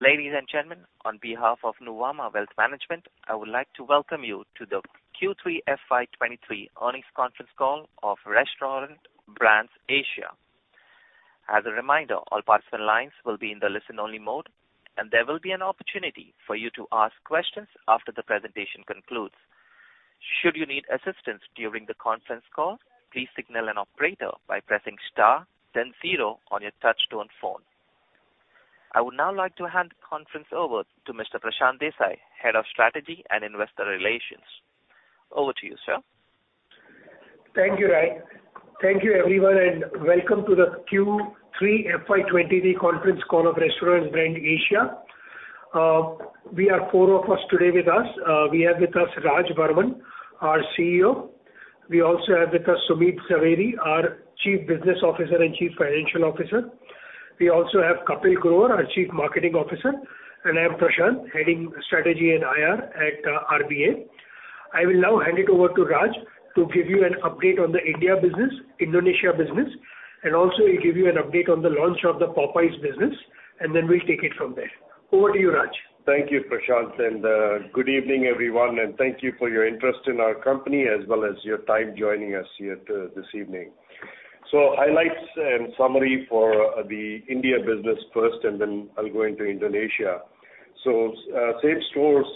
Ladies and gentlemen, on behalf of Nuvama Wealth Management, I would like to welcome you to the Q3 FY 2023 earnings conference call of Restaurant Brands Asia. As a reminder, all participant lines will be in the listen-only mode, and there will be an opportunity for you to ask questions after the presentation concludes. Should you need assistance during the conference call, please signal an operator by pressing star then zero on your touch-tone phone. I would now like to hand the conference over to Mr. Prashant Desai, Head of Strategy and Investor Relations. Over to you, sir. Thank you, Ray. Thank you, everyone. Welcome to the Q3 FY 2023 conference call of Restaurant Brands Asia. We are four of us today with us. We have with us Rajeev Varman, our CEO. We also have with us Sumit Zaveri, our Chief Business Officer and Chief Financial Officer. We also have Kapil Grover, our Chief Marketing Officer. I am Prashant, heading Strategy and IR at RBA. I will now hand it over to Raj to give you an update on the India business, Indonesia business. Also, he'll give you an update on the launch of the Popeyes business. Then we'll take it from there. Over to you, Raj. Thank you, Prashant. Good evening, everyone, and thank you for your interest in our company as well as your time joining us here this evening. Highlights and summary for the India business first, and then I'll go into Indonesia. Same-stores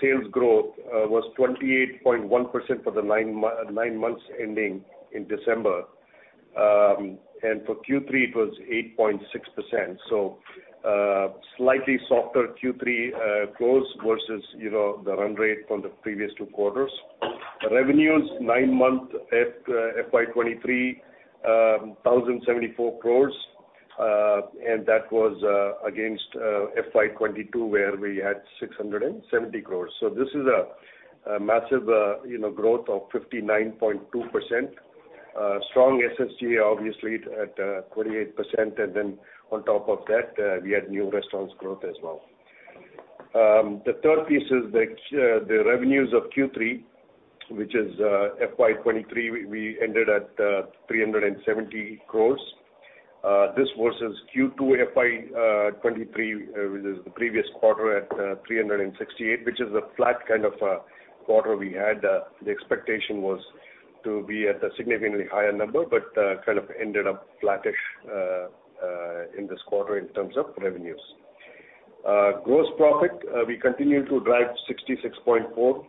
sales growth was 28.1% for the nine months ending in December. For Q3, it was 8.6%. Slightly softer Q3 close versus, you know, the run rate from the previous two quarters. Revenues nine-month FY 2023, 1,074 crores, and that was against FY 2022, where we had 670 crores. This is a massive, you know, growth of 59.2%. Strong SSG obviously at 28%. On top of that, we had new restaurants growth as well. The third piece is the revenues of Q3, which is FY 2023. We ended at 370 crores. This versus Q2 FY 2023, which is the previous quarter at 368, which is a flat kind of quarter we had. The expectation was to be at a significantly higher number, but kind of ended up flattish in this quarter in terms of revenues. Gross profit, we continue to drive 66.4%.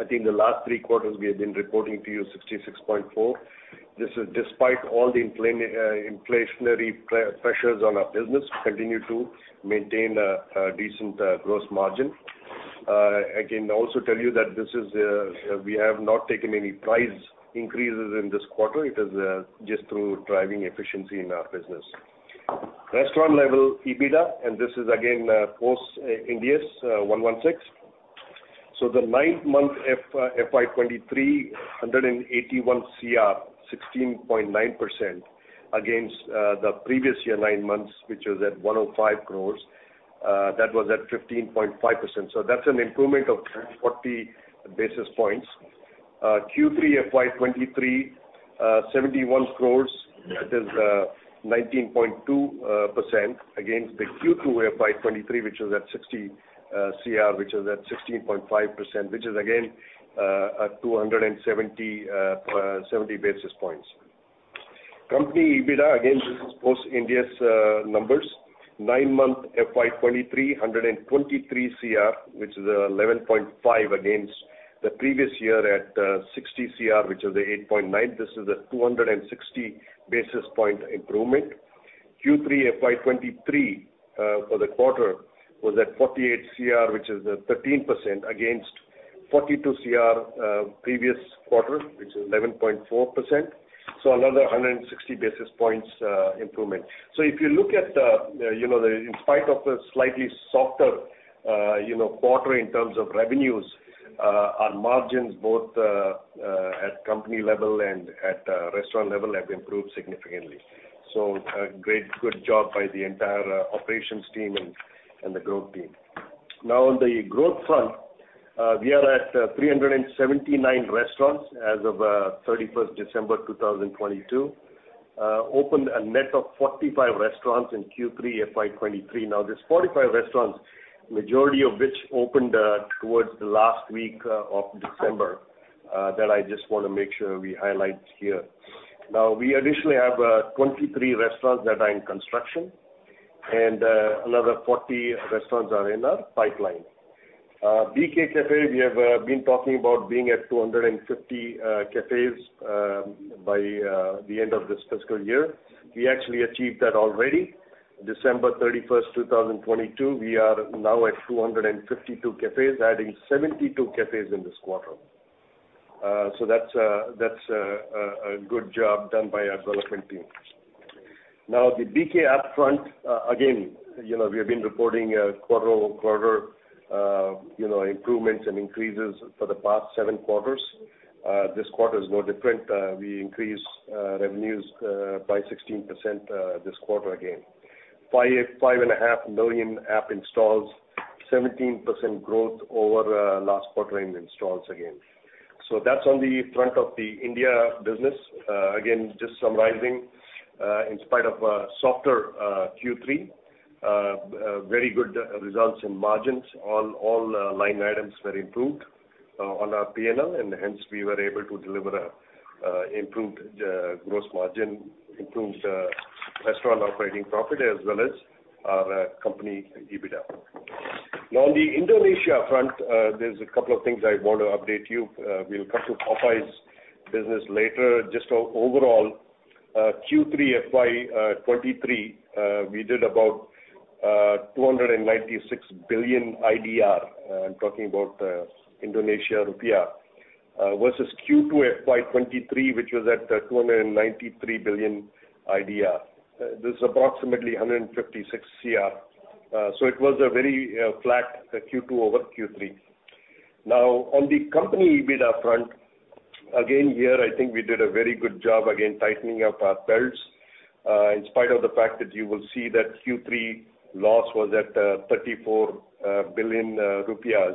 I think the last three quarters we have been reporting to you 66.4%. This is despite all the inflationary pressures on our business, we continue to maintain a decent gross margin. I can also tell you that this is, we have not taken any price increases in this quarter. It is just through driving efficiency in our business. Restaurant level EBITDA, this is again post Ind AS 116. The nine-month FY 2023, INR 181 crore, 16.9% against the previous year nine months, which was at 105 crore. That was at 15.5%. That's an improvement of 40 basis points. Q3 FY 2023, 71 crore. That is 19.2% against the Q2 FY 2023, which was at 60 crore, which was at 16.5%, which is again at 270, 70 basis points. Company EBITDA, again, this is post Ind AS numbers. Nine-month FY 2023, 123 cr, which is 11.5% against the previous year at 60 cr, which is 8.9%. This is a 260 basis point improvement. Q3 FY 2023 for the quarter was at 48 cr, which is 13% against 42 cr previous quarter, which is 11.4%. Another 160 basis points improvement. If you look at the, you know, the in spite of the slightly softer, you know, quarter in terms of revenues, our margins both at company level and at restaurant level have improved significantly. Great, good job by the entire operations team and the growth team. On the growth front, we are at 379 restaurants as of 31st December 2022. Opened a net of 45 restaurants in Q3 FY 2023. These 45 restaurants, majority of which opened towards the last week of December, that I just wanna make sure we highlight here. We additionally have 23 restaurants that are in construction and another 40 restaurants are in our pipeline. BK Café, we have been talking about being at 250 cafes by the end of this fiscal year. We actually achieved that already. December 31st, 2022, we are now at 252 cafes, adding 72 cafes in this quarter. That's a good job done by our development team. The BK APP front, again, you know, we have been reporting quarter-over-quarter, you know, improvements and increases for the past seven quarters. This quarter is no different. We increased revenues by 16% this quarter again. 5.5 million app installs. 17% growth over last quarter in installs again. That's on the front of the India business. Again, just summarizing, in spite of a softer Q3, very good results in margins. All line items were improved on our P&L, we were able to deliver a improved gross margin, improved restaurant operating profit, as well as our company EBITDA. On the Indonesia front, there's a couple of things I wanna update you. We'll come to Popeyes business later. Just overall, Q3 FY 2023, we did about 296 billion IDR. I'm talking about Indonesia rupiah. Versus Q2 FY 2023, which was at 293 billion IDR. This is approximately 156 CR. It was a very flat Q2 over Q3. Now, on the company EBITDA front, again, here I think we did a very good job, again, tightening up our belts. In spite of the fact that you will see that Q3 loss was at 34 billion rupiah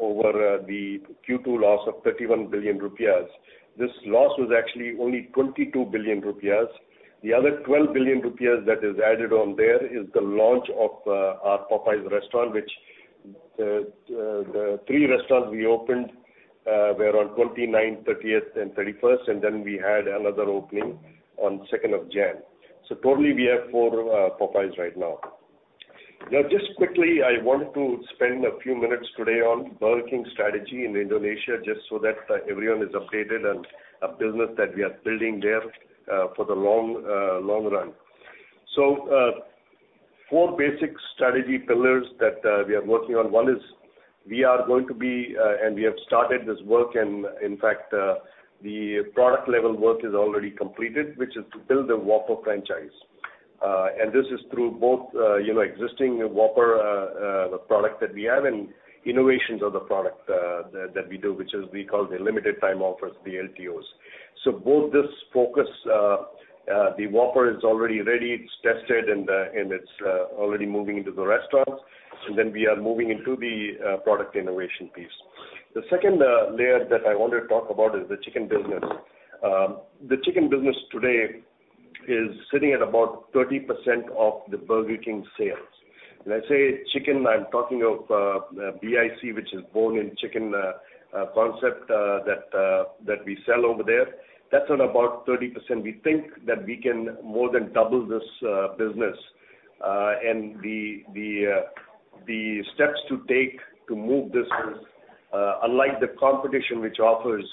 over the Q2 loss of 31 billion rupiah. This loss was actually only 22 billion rupiah. The other 12 billion rupiah that is added on there is the launch of our Popeyes restaurant which the three restaurants we opened were on 29th, 30th, and 31st, and then we had another opening on 2nd of January. Totally we have four Popeyes right now. Just quickly, I want to spend a few minutes today on Burger King strategy in Indonesia, just so that everyone is updated on a business that we are building there for the long, long run. Four basic strategy pillars that we are working on. One is we are going to be, and we have started this work and, in fact, the product level work is already completed, which is to build the Whopper franchise. This is through both, you know, existing Whopper, the product that we have and innovations of the product that we do, which is we call the limited time offers, the LTOs. Both this focus, the Whopper is already ready, it's tested, and it's already moving into the restaurants. Then we are moving into the product innovation piece. The second layer that I wanted to talk about is the chicken business. The chicken business today is sitting at about 30% of the Burger King sales. When I say chicken, I'm talking of BIC, which is bone in chicken concept that we sell over there. That's at about 30%. We think that we can more than double this business. The steps to take to move this is unlike the competition which offers,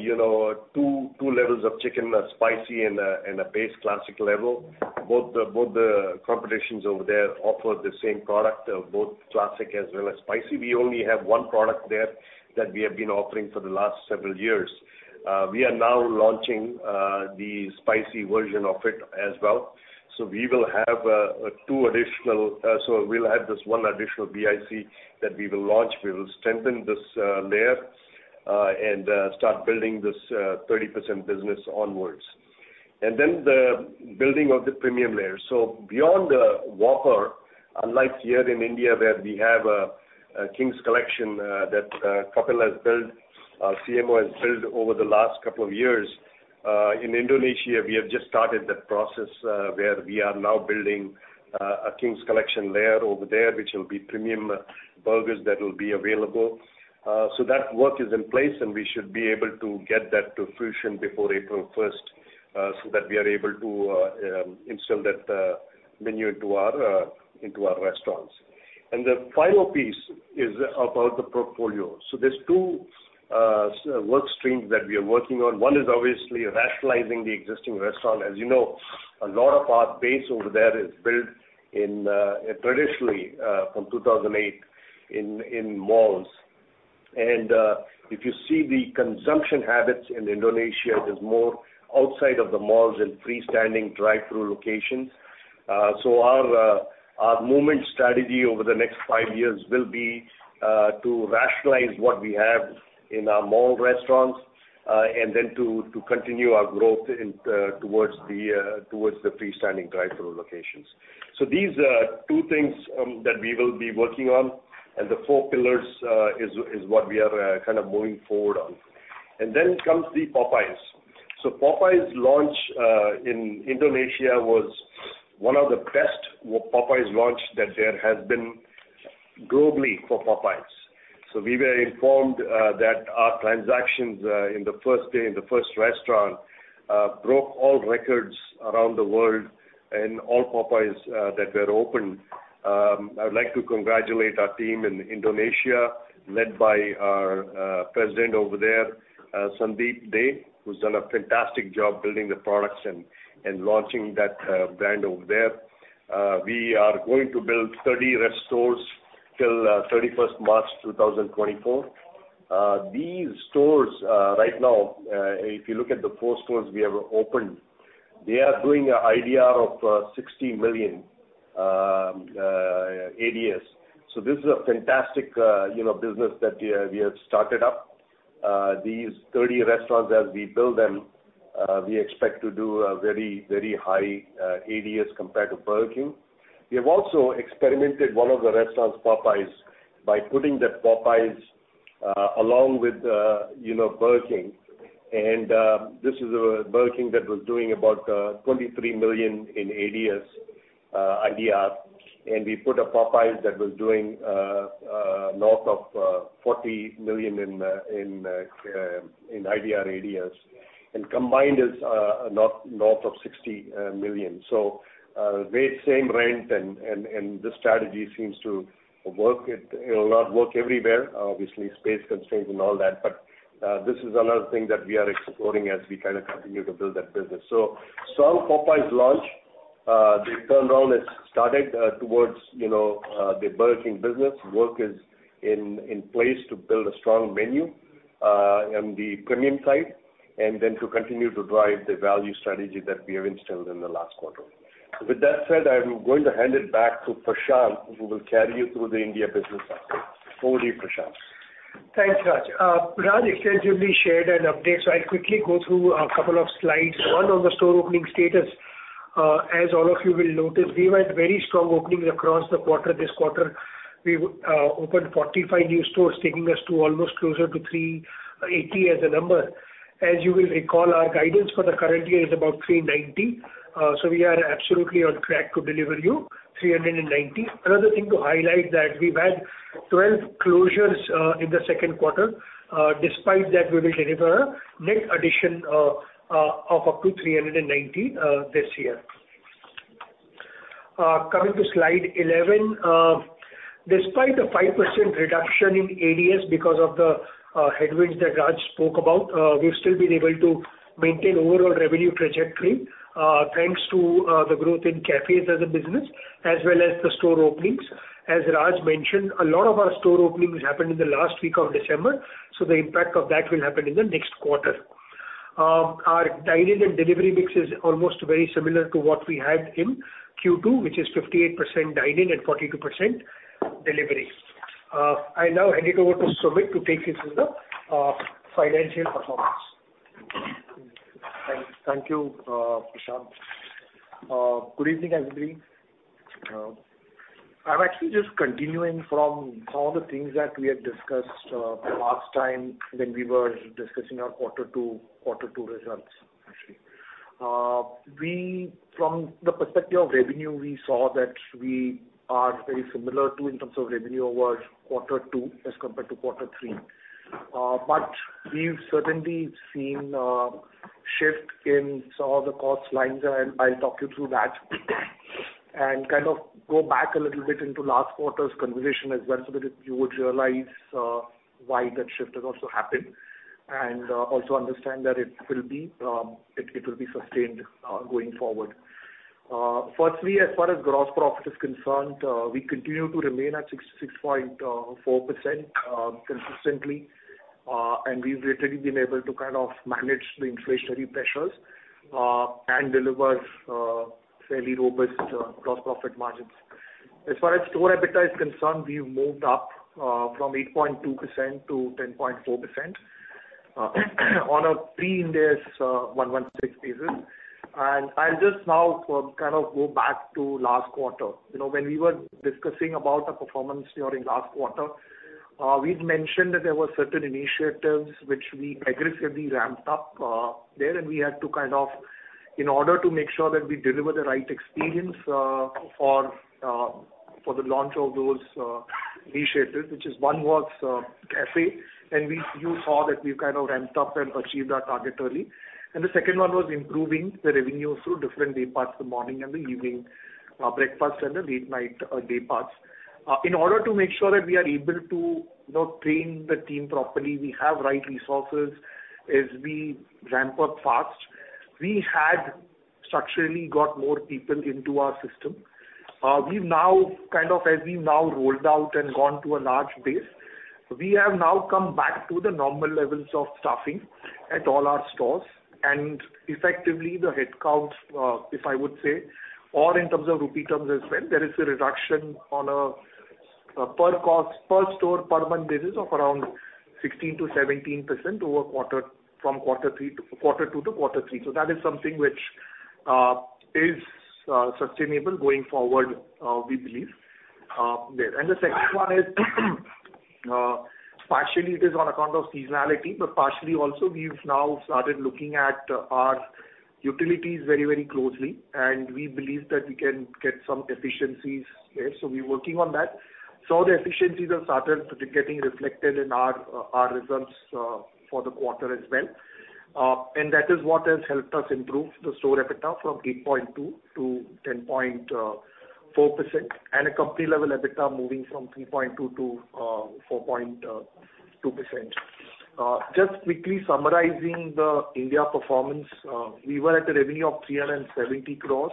you know, two levels of chicken, a spicy and a base classic level, both the competitions over there offer the same product of both classic as well as spicy. We only have one product there that we have been offering for the last several years. We are now launching the spicy version of it as well. We will have this one additional BIC that we will launch. We will strengthen this layer, start building this 30% business onwards. The building of the premium layer. Beyond the Whopper, unlike here in India where we have a King's Collection that Kapil has built, our CMO has built over the last couple of years, in Indonesia, we have just started that process, where we are now building a King's Collection layer over there, which will be premium burgers that will be available. That work is in place, and we should be able to get that to fruition before April first, so that we are able to install that menu into our restaurants. The final piece is about the portfolio. There's two work streams that we are working on. One is obviously rationalizing the existing restaurant. As you know, a lot of our base over there is built in, traditionally, from 2008, in malls. If you see the consumption habits in Indonesia, it is more outside of the malls in freestanding drive-through locations. Our movement strategy over the next five years will be to rationalize what we have in our mall restaurants, and then to continue our growth in towards the freestanding drive-through locations. These are two things that we will be working on, and the four pillars is what we are kind of moving forward on. Then comes the Popeyes. Popeyes launch in Indonesia was one of the best Popeyes launch that there has been globally for Popeyes. we were informed that our transactions in the first day in the first restaurant broke all records around the world in all Popeyes that were opened. I would like to congratulate our team in Indonesia, led by our president over there, Sandeep Dey, who's done a fantastic job building the products and launching that brand over there. we are going to build 30 rest stores till 31st March 2024. These stores right now, if you look at the four stores we have opened, they are doing 60 million IDR ADS. This is a fantastic, you know, business that we have started up. These 30 restaurants as we build them, we expect to do a very, very high ADS compared to Burger King. We have also experimented one of the restaurants, Popeyes, by putting that Popeyes along with Burger King. This is a Burger King that was doing about 23 million in ADS, IDR. We put a Popeyes that was doing north of 40 million in IDR ADS. Combined is north of 60 million. They same rent and this strategy seems to work. It'll not work everywhere, obviously space constraints and all that. This is another thing that we are exploring as we kind of continue to build that business. Strong Popeyes launch. The turnaround has started towards the Burger King business. Work is in place to build a strong menu in the premium side, and then to continue to drive the value strategy that we have instilled in the last quarter. With that said, I'm going to hand it back to Prashant, who will carry you through the India business update. Over to you, Prashant. Thanks, Raj. Raj extensively shared an update, I'll quickly go through a couple of slides. One on the store opening status. As all of you will notice, we had very strong openings across the quarter. This quarter, we opened 45 new stores, taking us to almost closer to 380 as a number. As you will recall, our guidance for the current year is about 390, we are absolutely on track to deliver you 390. Another thing to highlight that we've had 12 closures in the second quarter. Despite that, we will deliver a net addition of up to 390 this year. Coming to slide 11. Despite the 5% reduction in ADS because of the headwinds that Raj spoke about, we've still been able to maintain overall revenue trajectory, thanks to the growth in cafes as a business, as well as the store openings. As Raj mentioned, a lot of our store openings happened in the last week of December, so the impact of that will happen in the next quarter. Our dine-in and delivery mix is almost very similar to what we had in Q2, which is 58% dine-in and 42% delivery. I now hand it over to Sumit to take you through the financial performance. Thank you, Prashant. Good evening, everybody. I'm actually just continuing from all the things that we had discussed last time when we were discussing our quarter two results, actually. We from the perspective of revenue, we saw that we are very similar to in terms of revenue over quarter two as compared to quarter three. We've certainly seen a shift in some of the cost lines, and I'll talk you through that. Kind of go back a little bit into last quarter's conversation as well, so that you would realize why that shift has also happened, and also understand that it will be sustained going forward. Firstly, as far as gross profit is concerned, we continue to remain at 66.4% consistently. We've literally been able to kind of manage the inflationary pressures and deliver fairly robust gross profit margins. As far as store EBITDA is concerned, we've moved up from 8.2% to 10.4% on a pre-Ind AS 116 basis. I'll just now kind of go back to last quarter. You know, when we were discussing about our performance during last quarter, we'd mentioned that there were certain initiatives which we aggressively ramped up there. We had to kind of, in order to make sure that we deliver the right experience for for the launch of those initiatives, which is one was Cafe. You saw that we kind of ramped up and achieved our target early. The second one was improving the revenue through different day parts, the morning and the evening, breakfast and the late night day parts. In order to make sure that we are able to, you know, train the team properly, we have right resources as we ramp up fast. We had structurally got more people into our system. We've now kind of as we've now rolled out and gone to a large base, we have now come back to the normal levels of staffing at all our stores. Effectively the headcounts, if I would say, or in terms of INR terms as well, there is a reduction on a per cost, per store, per month basis of around 16%-17% over quarter two to quarter three. That is something which is sustainable going forward, we believe there. The second one is, partially it is on account of seasonality, but partially also we've now started looking at our utilities very, very closely, and we believe that we can get some efficiencies there. We're working on that. The efficiencies have started to be getting reflected in our results for the quarter as well. That is what has helped us improve the store EBITDA from 8.2% to 10.4% and a company level EBITDA moving from 3.2% to 4.2%. Just quickly summarizing the India performance. We were at a revenue of 370 crores,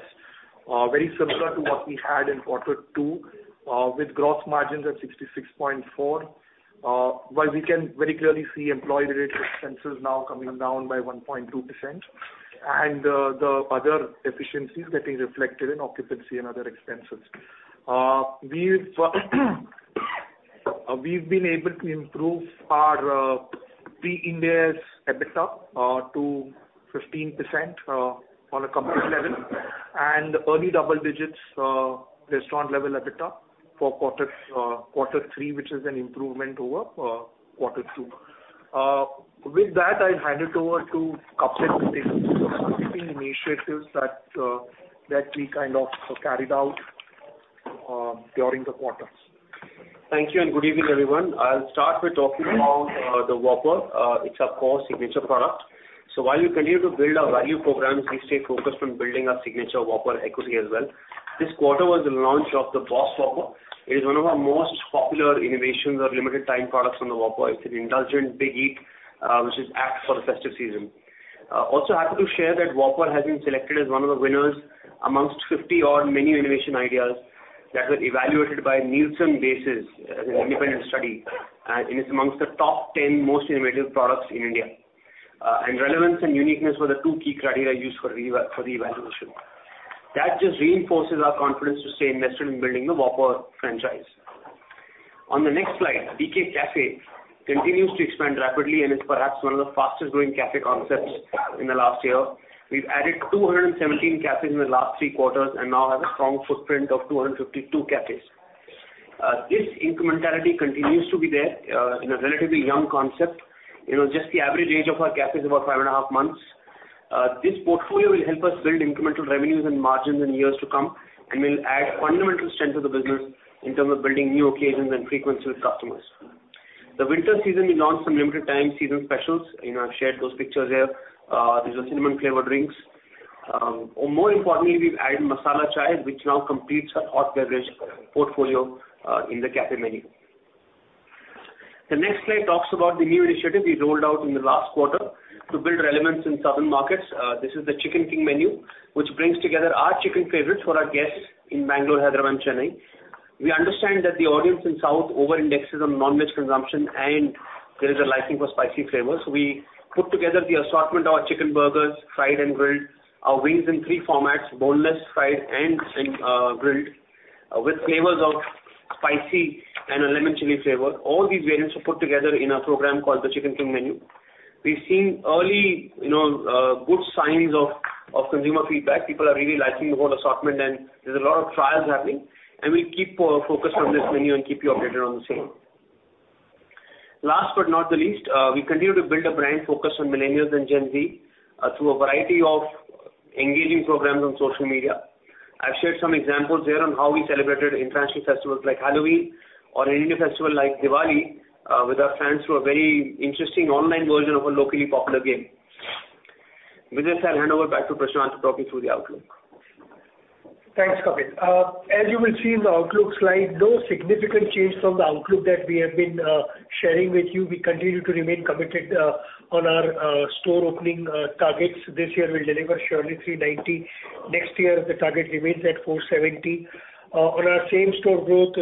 very similar to what we had in quarter two, with gross margins at 66.4%. We can very clearly see employee-related expenses now coming down by 1.2%. The other efficiencies getting reflected in occupancy and other expenses. We've been able to improve our pre-Ind AS EBITDA to 15% on a company level and early double digits restaurant level EBITDA for quarters, quarter three, which is an improvement over quarter two. With that, I'll hand it over to Kapil to take us through some of the key initiatives that we kind of carried out during the quarters. Thank you. Good evening, everyone. I'll start with talking about the Whopper. It's our core signature product. While we continue to build our value programs, we stay focused on building our signature Whopper equity as well. This quarter was the launch of the Boss Whopper. It is one of our most popular innovations or limited time products on the Whopper. It's an indulgent big eat, which is apt for the festive season. Also happy to share that Whopper has been selected as one of the winners amongst 50-odd menu innovation ideas that were evaluated by Nielsen BASES as an independent study. It's amongst the top 10 most innovative products in India. Relevance and uniqueness were the two key criteria used for the evaluation. That just reinforces our confidence to stay invested in building the Whopper franchise. On the next slide, BK Café continues to expand rapidly and is perhaps one of the fastest growing cafe concepts in the last year. We've added 217 cafes in the last three quarters and now have a strong footprint of 252 cafes. This incrementality continues to be there in a relatively young concept. You know, just the average age of our cafe is about 5.5 months. This portfolio will help us build incremental revenues and margins in years to come, and will add fundamental strength to the business in terms of building new occasions and frequency with customers. The winter season, we launched some limited time season specials. You know, I've shared those pictures there. These are cinnamon flavored drinks. More importantly, we've added Masala Chai, which now completes our hot beverage portfolio in the cafe menu. The next slide talks about the new initiative we rolled out in the last quarter to build relevance in southern markets. This is the Chicken King menu, which brings together our chicken favorites for our guests in Bangalore, Hyderabad, and Chennai. We understand that the audience in South overindexes on non-veg consumption, and there is a liking for spicy flavors. We put together the assortment of our chicken burgers, fried and grilled, our wings in three formats, boneless, fried, and in grilled, with flavors of spicy and a lemon chili flavor. All these variants were put together in a program called the Chicken King Menu. We've seen early, you know, good signs of consumer feedback. People are really liking the whole assortment, and there's a lot of trials happening, and we keep focused on this menu and keep you updated on the same. Last but not the least, we continue to build a brand focus on millennials and Gen Z, through a variety of engaging programs on social media. I've shared some examples here on how we celebrated international festivals like Halloween or an Indian festival like Diwali, with our fans through a very interesting online version of a locally popular game. With this, I'll hand over back to Prashant to talk you through the outlook. Thanks, Kapil. As you will see in the outlook slide, no significant change from the outlook that we have been sharing with you. We continue to remain committed on our store opening targets. This year we'll deliver surely 390. Next year, the target remains at 470. On our same-store growth,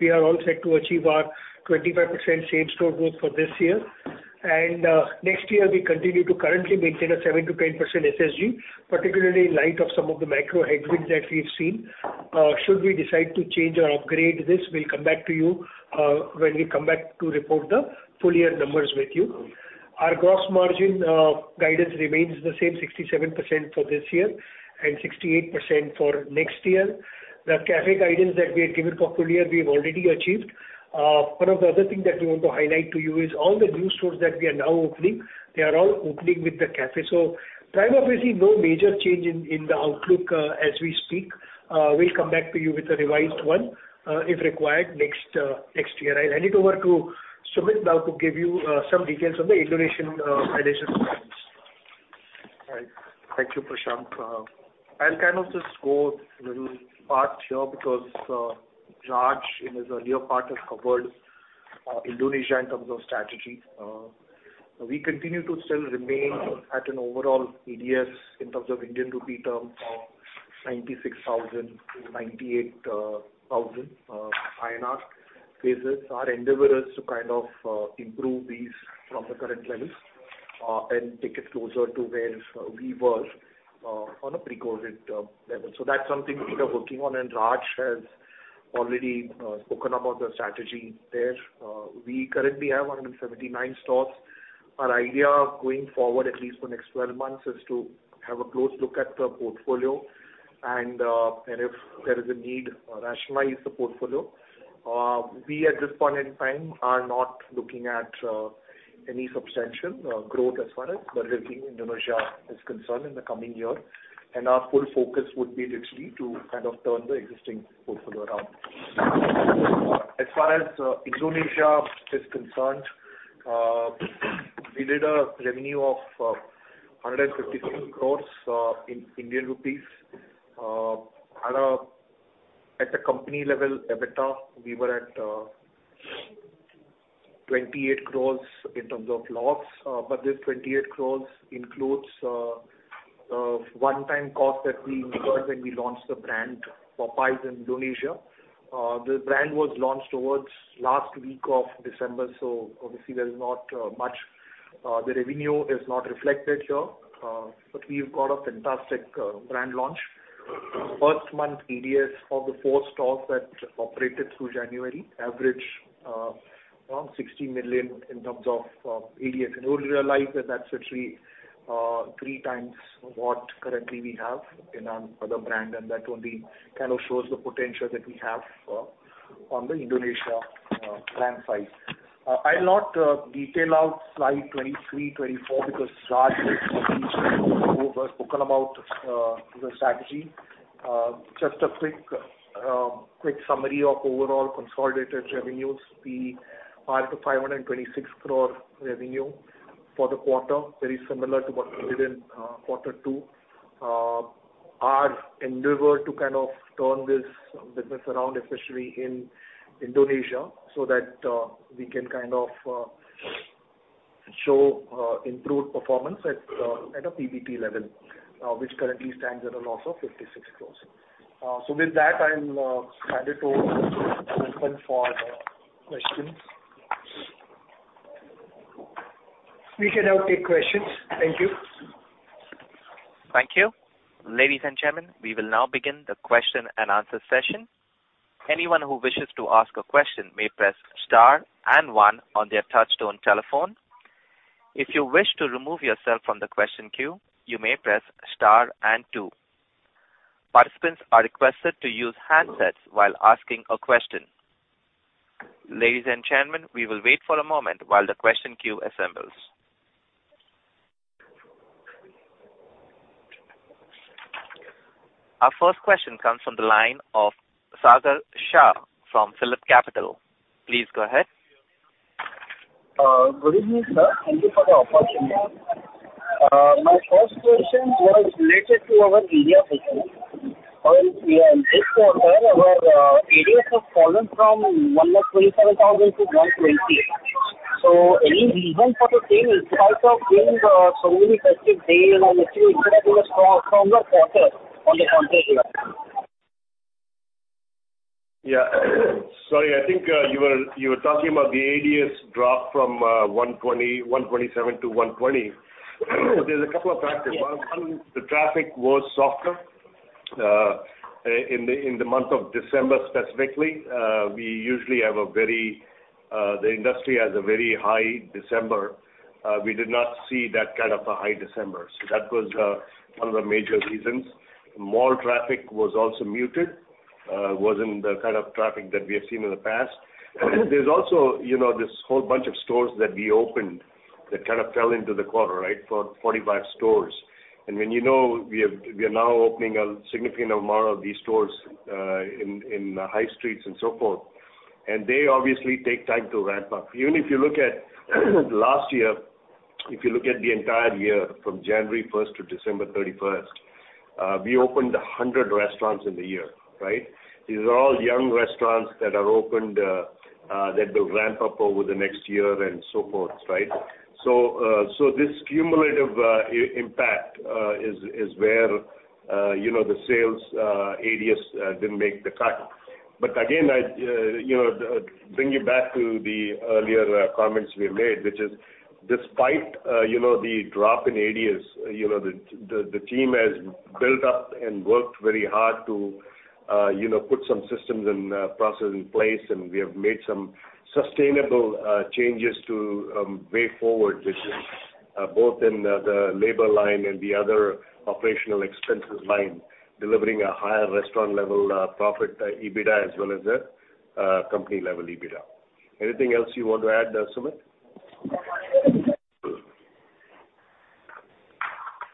we are all set to achieve our 25% same-store growth for this year. Next year we continue to currently maintain a 7%-10% SSG, particularly in light of some of the macro headwinds that we've seen. Should we decide to change or upgrade this, we'll come back to you when we come back to report the full year numbers with you. Our gross margin guidance remains the same 67% for this year and 68% for next year. The cafe guidance that we had given for full year, we've already achieved. One of the other thing that we want to highlight to you is all the new stores that we are now opening, they are all opening with the cafe. Prima facie, no major change in the outlook as we speak. We'll come back to you with a revised one if required next year. I'll hand it over to Sumit now to give you some details on the Indonesian operations. Right. Thank you, Prashant. I'll kind of just go a little part here because Raj in his earlier part has covered Indonesia in terms of strategy. We continue to still remain at an overall ADS in terms of Indian rupee terms of 96,000-98,000 INR. This is our endeavor is to kind of improve these from the current levels and take it closer to where we were on a pre-COVID level. That's something we are working on, and Raj has already spoken about the strategy there. We currently have 179 stores. Our idea going forward, at least for next 12 months, is to have a close look at the portfolio and if there is a need, rationalize the portfolio. We, at this point in time, are not looking at any substantial growth as far as Burger King Indonesia is concerned in the coming year. Our full focus would be literally to kind of turn the existing portfolio around. As far as Indonesia is concerned, we did a revenue of 152 crores, in Indian rupees. Had a, at the company level EBITDA, we were at 28 crores in terms of loss. This 28 crores includes a one-time cost that we incurred when we launched the brand for Popeyes Indonesia. The brand was launched towards last week of December, so obviously there is not much. The revenue is not reflected here. We've got a fantastic brand launch. First month ADS of the four stores that operated through January averaged around 60 million in terms of ADS. You will realize that that's actually three times what currently we have in our other brand, and that only kind of shows the potential that we have on the Indonesia brand side. I'll not detail out slide 23, 24 because Raj has spoken about the strategy. Just a quick quick summary of overall consolidated revenues. We are at the 526 crore revenue for the quarter, very similar to what we did in Q2. to kind of turn this business around, especially in Indonesia, so that we can kind of show improved performance at a PBT level, which currently stands at a loss of 56 crores. So with that, I'll hand it over to Parshant for the questions. We can now take questions. Thank you. Thank you. Ladies and gentlemen, we will now begin the question and answer session. Anyone who wishes to ask a question may press star and one on their touchtone telephone. If you wish to remove yourself from the question queue, you may press star and two. Participants are requested to use handsets while asking a question. Ladies and gentlemen, we will wait for a moment while the question queue assembles. Our first question comes from the line of Sagar Shah from PhillipCapital. Please go ahead. Good evening, sir. Thank you for the opportunity. My first question was related to our India business. In this quarter, our ADS has fallen from one lakh 27,000 to 120. Any reason for the same despite of being so many festive day and actually incredible strong from the quarter on the front page level? Yeah. Sorry, I think you were talking about the ADS drop from 127 to 120. There's a couple of factors. Yes. One, the traffic was softer. In the month of December specifically, we usually have a very, the industry has a very high December. We did not see that kind of a high December. That was one of the major reasons. Mall traffic was also muted, wasn't the kind of traffic that we have seen in the past. There's also, you know, this whole bunch of stores that we opened that kind of fell into the quarter, right? For 45 stores. When, you know, we are now opening a significant amount of these stores in high streets and so forth. They obviously take time to ramp up. Even if you look at last year, if you look at the entire year from January 1st to December 31st, we opened 100 restaurants in the year, right? These are all young restaurants that are opened, that will ramp up over the next year and so forth, right? This cumulative impact is where, you know, the sales ADS didn't make the cut. Again, I'd, you know, bring you back to the earlier comments we made, which is despite, you know, the drop in ADS, you know, the team has built up and worked very hard to, you know, put some systems and processes in place. We have made some sustainable changes to way forward, which is both in the labor line and the other operational expenses line, delivering a higher restaurant level profit EBITDA as well as a company level EBITDA. Anything else you want to add, Sumit?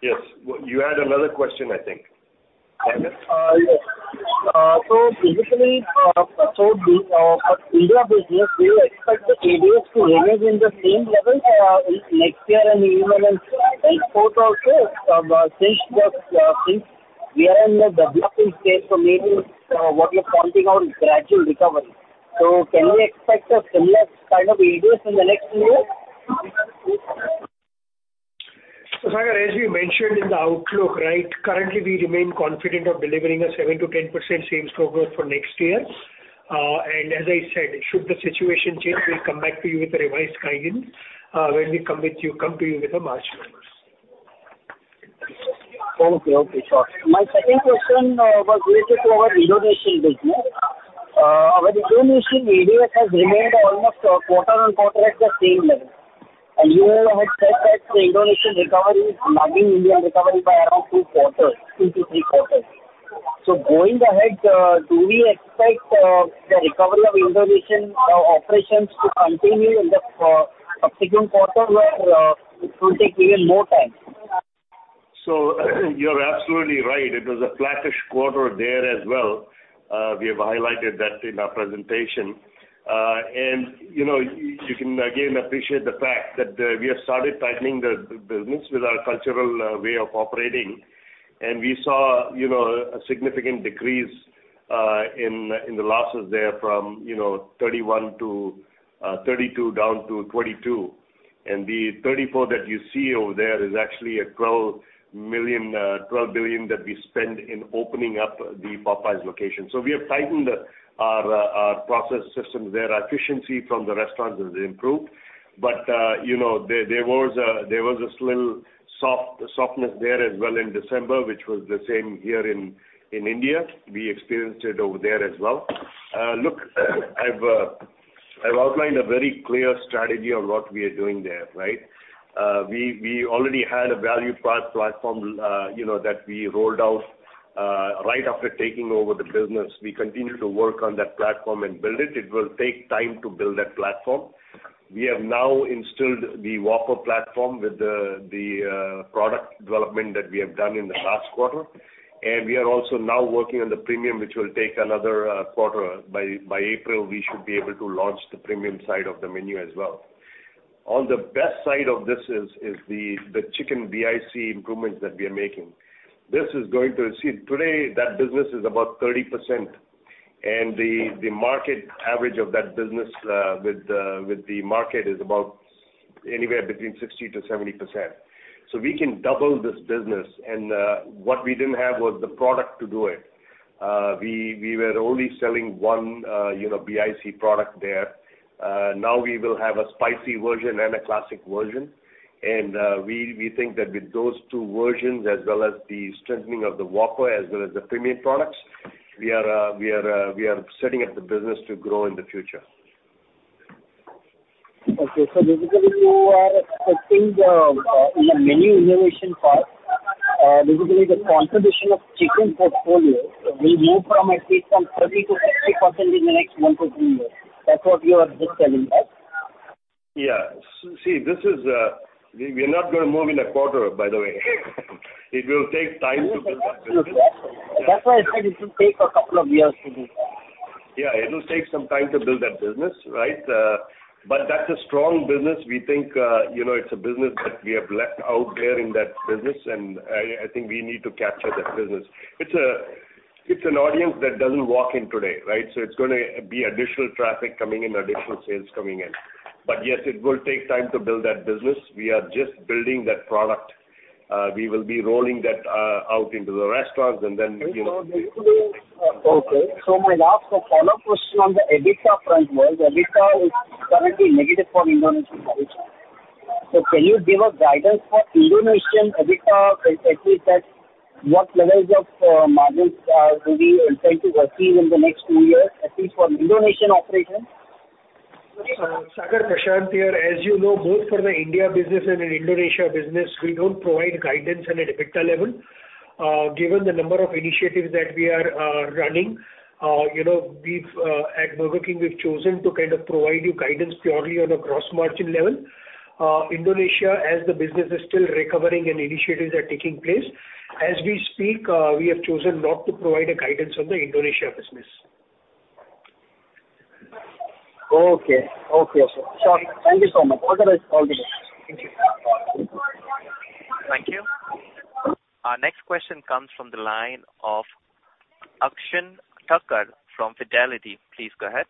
Yes. You had another question, I think. Sagar? Yes. Basically, so the India business, do you expect the ADS to remain in the same level next year and even in fourth also? Since we are in a developing state, maybe what you're pointing out is gradual recovery. Can we expect a similar kind of ADS in the next year? Sagar, as we mentioned in the outlook, right, currently we remain confident of delivering a 7%-10% same store growth for next year. And as I said, should the situation change, we'll come back to you with a revised guidance when we come to you with the March numbers. Okay. Okay, sure. My second question was related to our Indonesia business. Our Indonesia ADS has remained almost quarter-on-quarter at the same level. You had said that the Indonesian recovery is lagging Indian recovery by around two quarters, two-three quarters. Going ahead, do we expect the recovery of Indonesian operations to continue in the subsequent quarter or it will take even more time? You're absolutely right. It was a flattish quarter there as well. We have highlighted that in our presentation. You know, you can again appreciate the fact that we have started tightening the business with our cultural way of operating. We saw, you know, a significant decrease in the losses there from, you know, 31 to 32 down to 22. The 34 that you see over there is actually 12 billion that we spend in opening up the Popeyes location. We are tightening our process systems there. Our efficiency from the restaurants has improved. You know, there was a little softness there as well in December, which was the same here in India. We experienced it over there as well. Look, I've outlined a very clear strategy on what we are doing there, right? We already had a value price platform, you know, that we rolled out right after taking over the business. We continue to work on that platform and build it. It will take time to build that platform. We have now instilled the Whopper platform with the product development that we have done in the last quarter. We are also now working on the premium, which will take another quarter. By April, we should be able to launch the premium side of the menu as well. On the best side of this is the chicken BIC improvements that we are making. This is going to receive... Today, that business is about 30% and the market average of that business with the market is about anywhere between 60%-70%. We can double this business and what we didn't have was the product to do it. We were only selling one, you know, BIC product there. Now we will have a spicy version and a classic version. We think that with those two versions as well as the strengthening of the Whopper as well as the premium products, we are setting up the business to grow in the future. Okay. Basically you are expecting the in the menu innovation part, basically the contribution of chicken portfolio will move from at least 30% to 60% in the next one-two years. That's what you are just telling, right? Yeah. See, this is, we're not gonna move in a quarter, by the way. It will take time to build that business. That's why I said it will take a couple of years to do that. Yeah. It will take some time to build that business, right? That's a strong business. We think, you know, it's a business that we have left out there in that business, I think we need to capture that business. It's an audience that doesn't walk in today, right? It's gonna be additional traffic coming in, additional sales coming in. Yes, it will take time to build that business. We are just building that product. We will be rolling that out into the restaurants and then, you know. Okay. My last follow-up question on the EBITDA front was, EBITDA is currently negative for Indonesia operation. Can you give a guidance for Indonesia EBITDA, at least at what levels of margins are, will we expect to achieve in the next two years, at least for Indonesia operations? Sagar, Prashant here. As you know, both for the India business and in Indonesia business, we don't provide guidance on an EBITDA level. Given the number of initiatives that we are running, you know, we've at Burger King, we've chosen to kind of provide you guidance purely on a gross margin level. Indonesia, as the business is still recovering and initiatives are taking place, as we speak, we have chosen not to provide a guidance on the Indonesia business. Okay. Okay, sir. Sure. Thank you so much. Otherwise, all the best. Thank you. Thank you. Our next question comes from the line of Akshen Thakkar from Fidelity. Please go ahead.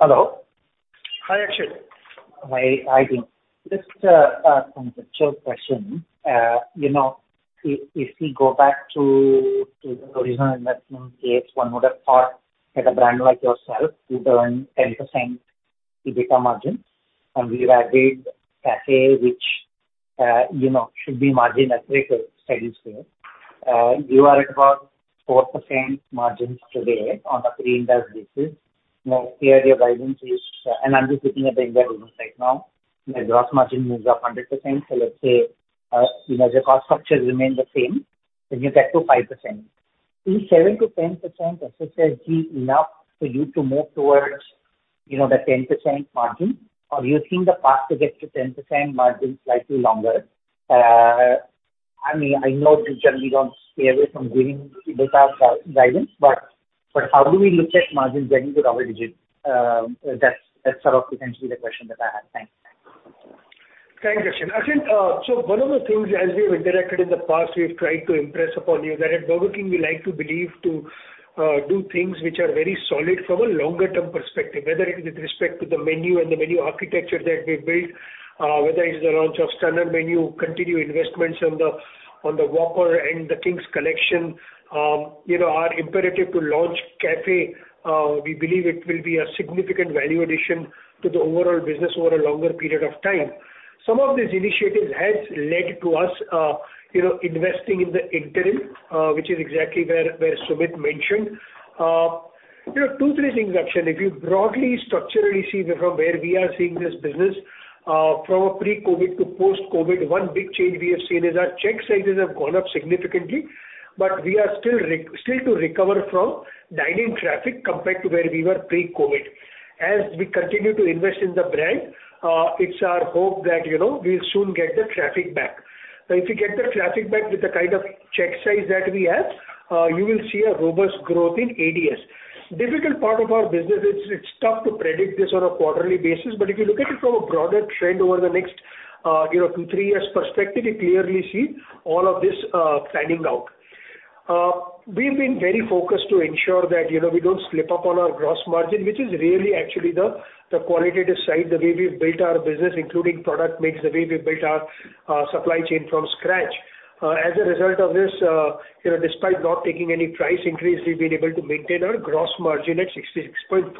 Hello. Hi, Akshen. Hi, team. Just some quick questions. You know, if we go back to the original investment case, one would have thought that a brand like yourself, you earn 10% EBITDA margin, and we've added cafe which, you know, should be margin accretive steady state. You are at about 4% margins today on a pre-Ind AS basis. Clearly your guidance is, and I'm just looking at the Ind AS right now, the gross margin moves up 100%. Let's say, you know, the cost structures remain the same, then you get to 5%. Is 7%-10% SSG enough for you to move towards, you know, the 10% margin? You think the path to get to 10% margin slightly longer? I mean, I know you generally don't stay away from giving EBITDA guidance, but how do we look at margins getting to double digits? That's sort of potentially the question that I have. Thanks. Thanks, Akshen. Akshen, one of the things as we have interacted in the past, we've tried to impress upon you that at Burger King we like to believe to do things which are very solid from a longer term perspective, whether it is with respect to the menu and the menu architecture that we've built, whether it's the launch of Stunner Menu, continued investments on the Whopper and the King's Collection. You know, our imperative to launch cafe, we believe it will be a significant value addition to the overall business over a longer period of time. Some of these initiatives has led to us, you know, investing in the interim, which is exactly where Sumit mentioned. You know, two, three things, Akshen. If you broadly structurally see from where we are seeing this business, from a pre-COVID to post-COVID, one big change we have seen is our check sizes have gone up significantly. We are still to recover from dine-in traffic compared to where we were pre-COVID. As we continue to invest in the brand, it's our hope that, you know, we'll soon get the traffic back. If you get the traffic back with the kind of check size that we have, you will see a robust growth in ADS. Difficult part of our business, it's tough to predict this on a quarterly basis. If you look at it from a broader trend over the next, you know, two, three years perspective, you clearly see all of this panning out. We've been very focused to ensure that, you know, we don't slip up on our gross margin, which is really actually the qualitative side, the way we've built our business, including product mix, the way we've built our supply chain from scratch. As a result of this, you know, despite not taking any price increase, we've been able to maintain our gross margin at 66.4%.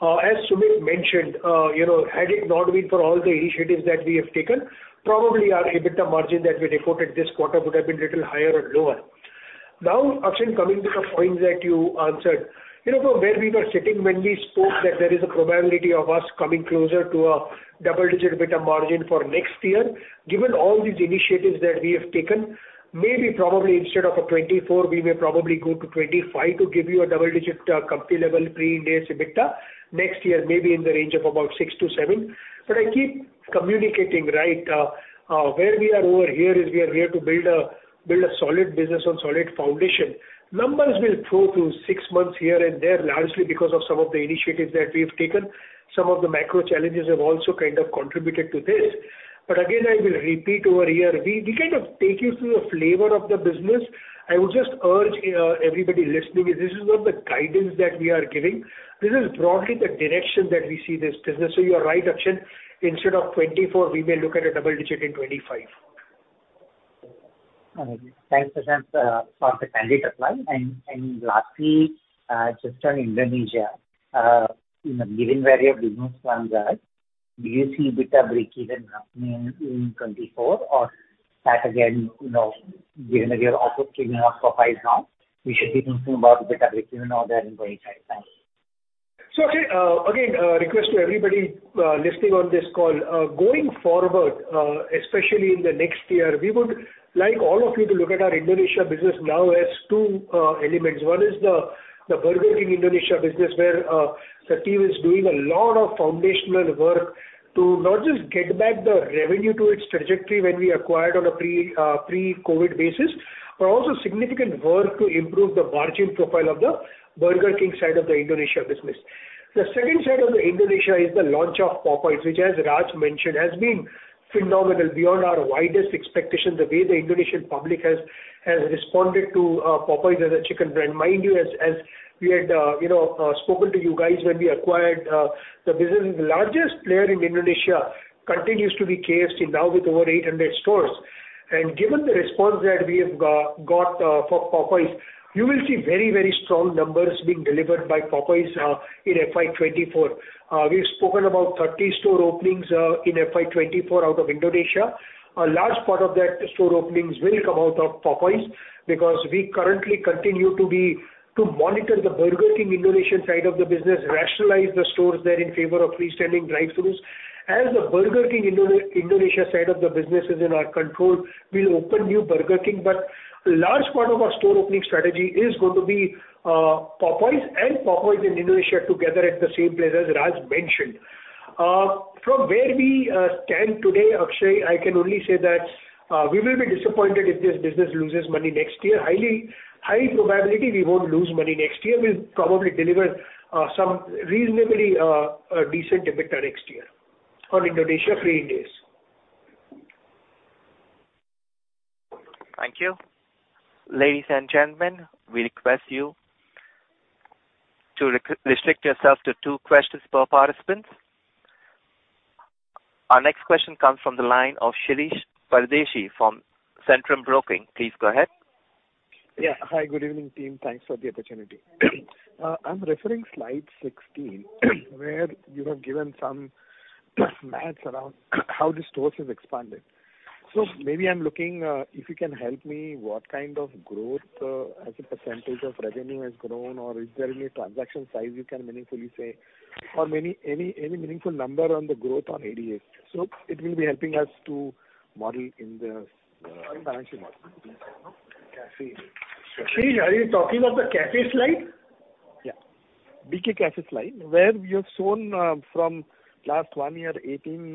As Sumit mentioned, you know, had it not been for all the initiatives that we have taken, probably our EBITDA margin that we reported this quarter would have been little higher or lower. Akshen, coming to the point that you answered. You know, from where we were sitting when we spoke that there is a probability of us coming closer to a double-digit EBITDA margin for next year, given all these initiatives that we have taken, maybe probably instead of a 2024, we may probably go to 2025 to give you a double-digit company level pre-interest EBITDA next year, maybe in the range of about six-seven. I keep communicating, right, where we are over here is we are here to build a solid business on solid foundation. Numbers will flow through six months here and there, largely because of some of the initiatives that we have taken. Some of the macro challenges have also kind of contributed to this. Again, I will repeat over here, we kind of take you through a flavor of the business. I would just urge, everybody listening, this is not the guidance that we are giving. This is broadly the direction that we see this business. You are right, Akshen. Instead of 24, we may look at a double digit in 25. Thanks, Prashant, for the candid reply. Lastly, you know, just on Indonesia, you know, given where your business stands at, do you see EBITDA breakeven happening in 2024 or that again, given that you're also bringing up Popeyes now, we should be thinking about EBITDA breakeven or there in 2025? Thanks. Akshen, again, request to everybody listening on this call, going forward, especially in the next year, we would like all of you to look at our Indonesia business now as two elements. One is the Burger King Indonesia business where the team is doing a lot of foundational work to not just get back the revenue to its trajectory when we acquired on a pre-COVID basis, but also significant work to improve the margin profile of the Burger King side of the Indonesia business. The second side of the Indonesia is the launch of Popeyes, which as Raj mentioned, has been phenomenal beyond our widest expectations, the way the Indonesian public has responded to Popeyes as a chicken brand. Mind you, as we had spoken to you guys when we acquired the business, the largest player in Indonesia continues to be KFC now with over 800 stores. Given the response that we have got for Popeyes, you will see very, very strong numbers being delivered by Popeyes in FY 2024. We've spoken about 30 store openings in FY 2024 out of Indonesia. A large part of that store openings will come out of Popeyes because we currently continue to monitor the Burger King Indonesia side of the business, rationalize the stores there in favor of freestanding drive-throughs. As the Burger King Indonesia side of the business is in our control, we'll open new Burger King. A large part of our store opening strategy is going to be Popeyes and Popeyes in Indonesia together at the same place as Raj mentioned. From where we stand today, Akshen, I can only say that we will be disappointed if this business loses money next year. High probability we won't lose money next year. We'll probably deliver some reasonably decent EBITDA next year on Indonesia pre-interest. Thank you. Ladies and gentlemen, we request you to restrict yourself to two questions per participant. Our next question comes from the line of Shirish Pardeshi from Centrum Broking. Please go ahead. Yeah. Hi, good evening, team. Thanks for the opportunity. I'm referring slide 16 where you have given some math around how the stores have expanded. Maybe I'm looking if you can help me, what kind of growth as a percentage of revenue has grown, or is there any transaction size you can meaningfully say or any meaningful number on the growth on ADS? It will be helping us to model in the financial model. Shirish, are you talking of the Cafe slide? BK Café slide, where you have shown, from last one year 18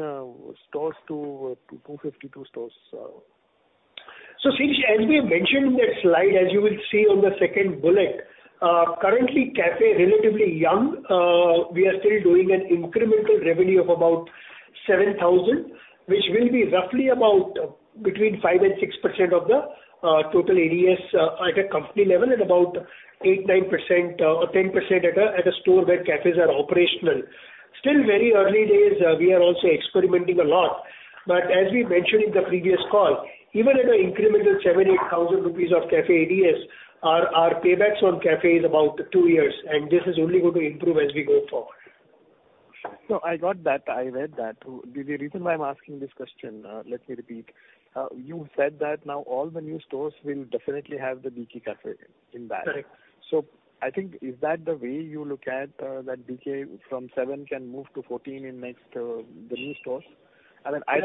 stores to 252 stores. Shirish, as we have mentioned in that slide, as you will see on the second bullet, currently cafe relatively young. We are still doing an incremental revenue of about 7,000, which will be roughly about between 5% and 6% of the total ADS at a company level and about 8%, 9% or 10% at a store where cafes are operational. Still very early days. We are also experimenting a lot. As we mentioned in the previous call, even at an incremental 7,000-8,000 rupees of cafe ADS, our paybacks on cafe is about two years, and this is only going to improve as we go forward. No, I got that. I read that. The reason why I'm asking this question, let me repeat. You said that now all the new stores will definitely have the BK Café in that. Correct. I think is that the way you look at, that BK from seven can move to 14 in next, the new stores? I mean. I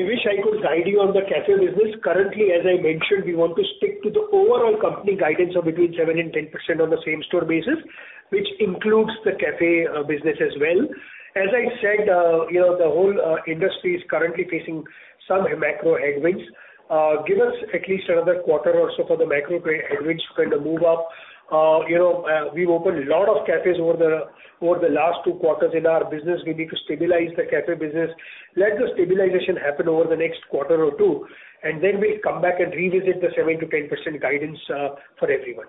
wish I could guide you on the cafe business. Currently, as I mentioned, we want to stick to the overall company guidance of between 7% and 10% on the same store basis, which includes the cafe business as well. As I said, you know, the whole industry is currently facing some macro headwinds. Give us at least another quarter or so for the macro headwinds to kind of move up. You know, we've opened a lot of cafes over the last two quarters in our business. We need to stabilize the cafe business. Let the stabilization happen over the next quarter or two, we'll come back and revisit the 7% to 10% guidance for everyone.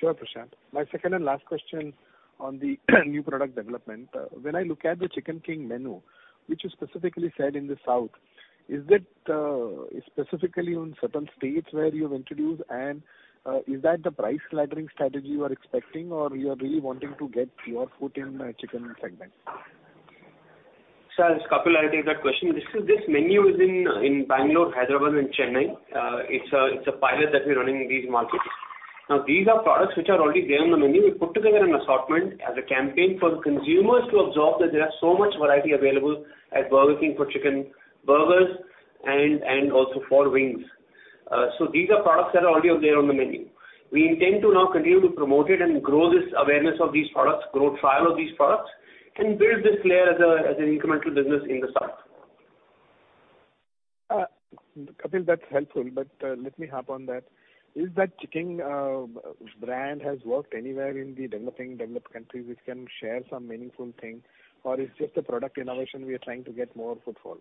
Sure, Prashant. My second and last question on the new product development. When I look at the Chicken King menu, which you specifically said in the South. Is that specifically on certain states where you've introduced and, is that the price laddering strategy you are expecting or you are really wanting to get your foot in the chicken segment? Sir, it's Kapil. I'll take that question. This menu is in Bangalore, Hyderabad and Chennai. It's a pilot that we're running in these markets. These are products which are already there on the menu. We put together an assortment as a campaign for the consumers to absorb that there are so much variety available at Burger King for chicken burgers and also for wings. These are products that are already out there on the menu. We intend to now continue to promote it and grow this awareness of these products, grow trial of these products, and build this layer as an incremental business in the start. Kapil, that's helpful, but, let me hop on that. Is that chicken brand has worked anywhere in the developing, developed countries which can share some meaningful thing or it's just a product innovation we are trying to get more footfall?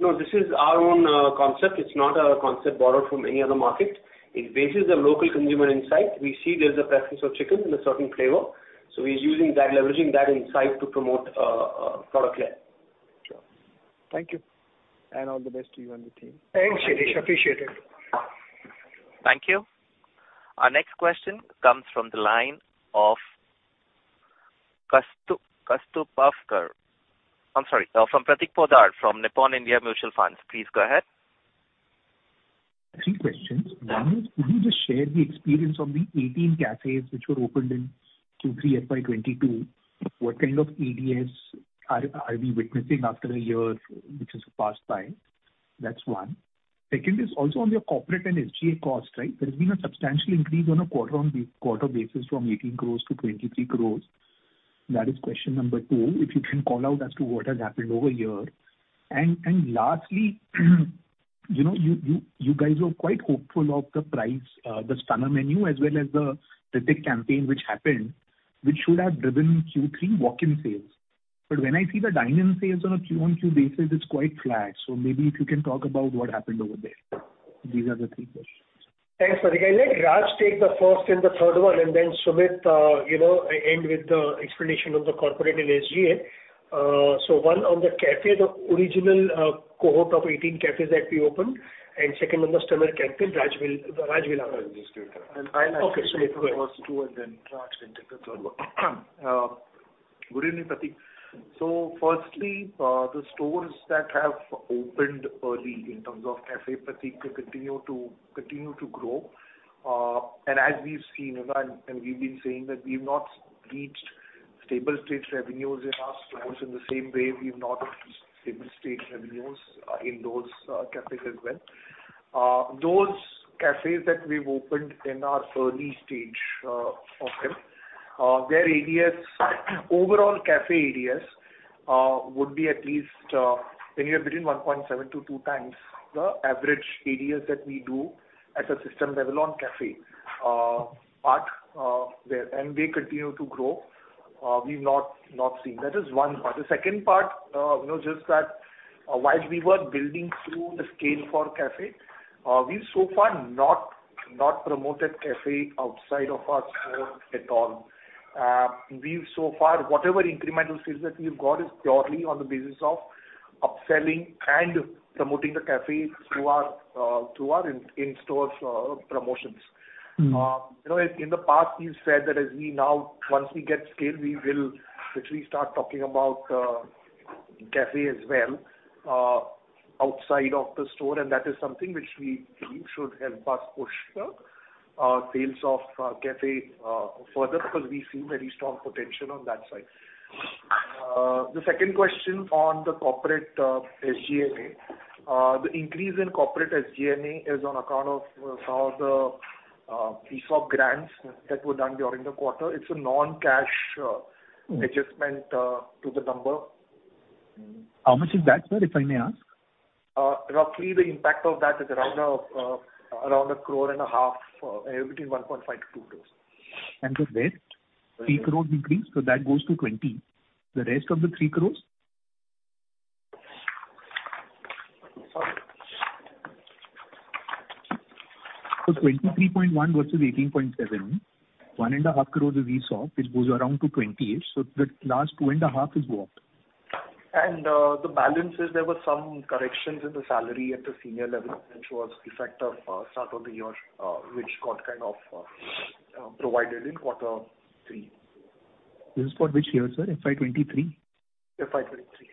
No, this is our own concept. It's not a concept borrowed from any other market. It bases the local consumer insight. We see there's a preference of chicken in a certain flavor, so we're using that, leveraging that insight to promote a product layer. Sure. Thank you. All the best to you and the team. Thanks, Shirish. Appreciate it. Thank you. Our next question comes from the line of Kastu Pavkar. I'm sorry. From Prateek Poddar from Nippon India Mutual Fund. Please go ahead. Three questions. One is, could you just share the experience of the 18 cafes which were opened in Q3 FY 2022? What kind of ADS are we witnessing after a year which has passed by? That's one. Second is also on your corporate and SGA costs, right? There's been a substantial increase on a quarter on quarter basis from 18 crores to 23 crores. That is question number two, if you can call out as to what has happened over a year. Lastly, you know, you guys were quite hopeful of the price, the Stunner Menu as well as the Prateek campaign which happened, which should have driven Q3 walk-in sales. When I see the dine-in sales on a Q-on-Q basis, it's quite flat. Maybe if you can talk about what happened over there. These are the three questions. Thanks, Prateek. I'll let Raj take the first and the third one and then Sumit, you know, end with the explanation of the corporate and SGA. One on the café, the original, cohort of 18 cafes that we opened, and second on the stunner campaign, Raj will answer. I'll just do it. Okay, Sumit, go ahead. I'll actually take the first two and then Raj can take the third one. Good evening, Prateek. Firstly, the stores that have opened early in terms of café Prateek continue to grow. As we've seen, you know, and we've been saying that we've not reached stable state revenues in our stores in the same way we've not reached stable state revenues in those cafes as well. Those cafes that we've opened in our early stage, of them, their ADS, overall café ADS, would be at least anywhere between 1.7 to two times the average ADS that we do at a system level on café part there. They continue to grow. We've not seen. That is one part. The second part, you know, just that while we were building through the scale for Cafe, we've so far not promoted Cafe outside of our store at all. We've so far, whatever incremental sales that we've got is purely on the basis of upselling and promoting the Cafe through our in-store promotions. Mm. You know, in the past, we've said that once we get scale, we will literally start talking about café as well outside of the store, and that is something which we believe should help us push the sales of café further because we see very strong potential on that side. The second question on the corporate SG&A. The increase in corporate SG&A is on account of the piece of grants that were done during the quarter. It's a non-cash. Mm. -adjustment, to the number. How much is that, sir, if I may ask? Roughly the impact of that is around a crore and a half, anywhere between 1.5-2 crores. The rest? 3 crore decrease, that goes to 20. The rest of the 3 crores? Sorry. 23.1 versus 18.7. One and a half crores is ESOP, which goes around to 20-ish. The last two and a half is what? The balance is there were some corrections in the salary at the senior level which was effect of start of the year, which got kind of provided in quarter three. This is for which year, sir? FY 2023? FY 2023.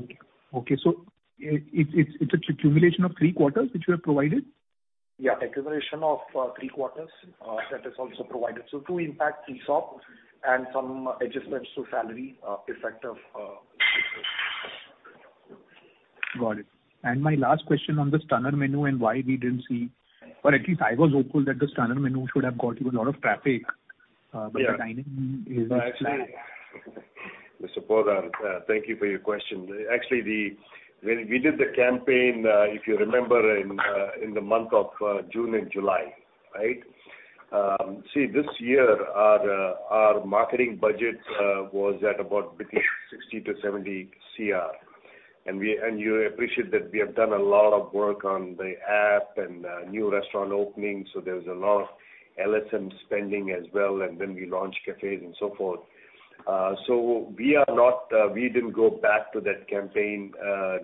Okay. Okay, it's accumulation of three quarters which you have provided? Accumulation of, three quarters, that is also provided. Two impact ESOP and some adjustments to salary, effect of, Got it. My last question on the Stunner Menu and why we didn't see, or at least I was hopeful that the Stunner Menu should have got you a lot of traffic. Yeah. The dine-in is flat. Actually Mr. Poddar, thank you for your question. Actually, when we did the campaign, if you remember in the month of June and July, right? See this year our marketing budget was at about between 60-70 crore. You appreciate that we have done a lot of work on the app and new restaurant openings, so there's a lot of LSM spending as well, and then we launched cafes and so forth. We are not, we didn't go back to that campaign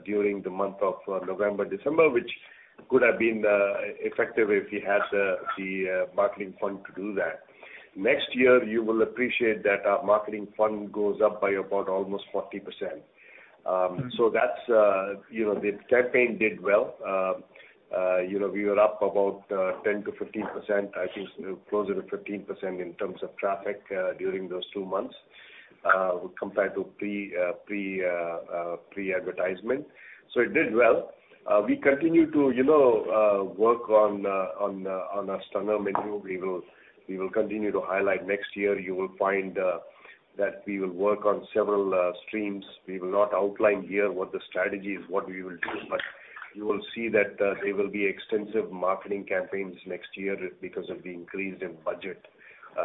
during the month of November, December, which Could have been effective if we had the marketing fund to do that. Next year, you will appreciate that our marketing fund goes up by about almost 40%. That's, you know, the campaign did well. You know, we were up about 10%-15%, I think closer to 15% in terms of traffic during those two months compared to pre pre pre-advertisement. It did well. We continue to, you know, work on our stronger menu. We will continue to highlight. Next year you will find that we will work on several streams. We will not outline here what the strategy is, what we will do, but you will see that there will be extensive marketing campaigns next year because of the increase in budget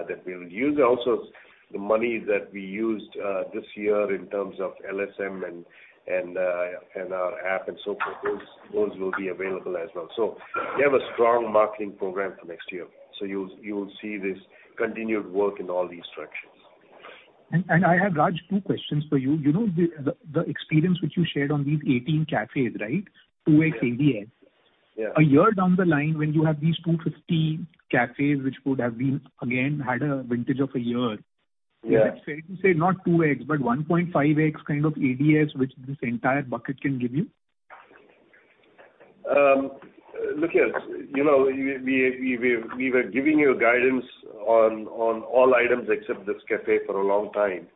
that we will use. Also, the money that we used this year in terms of LSM and our app and so forth, those will be available as well. We have a strong marketing program for next year, so you'll see this continued work in all these directions. I have, Raj, two questions for you. You know, the experience which you shared on these 18 cafes, right? Yeah. 2x ADS. Yeah. A year down the line when you have these 250 cafes, which would have been again had a vintage of a year... Yeah. Is it fair to say not 2x, but 1.5x kind of ADS, which this entire bucket can give you? Look here, you know, we were giving you a guidance on all items except this cafe for a long time.